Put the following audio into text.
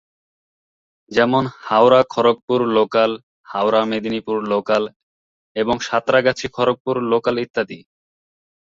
যেমন- হাওড়া-খড়গপুর local, Howrah-Medinipur local এবং সাঁতরাগাছি-খড়গপুর local ইত্যাদি।